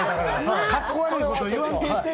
カッコ悪いこと言わんといて！